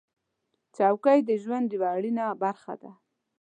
چوکۍ د ژوند یوه اړینه برخه ده.